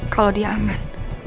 kalau dia aman